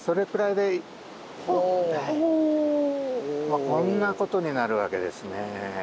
まあこんなことになるわけですね。